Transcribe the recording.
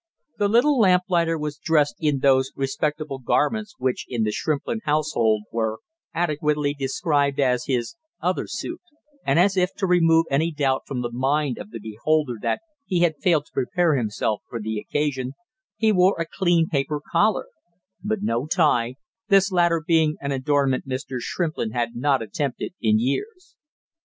The little lamplighter was dressed in those respectable garments which in the Shrimplin household were adequately described as his "other suit," and as if to remove any doubt from the mind of the beholder that he had failed to prepare himself for the occasion, he wore a clean paper collar, but no tie, this latter being an adornment Mr. Shrimplin had not attempted in years.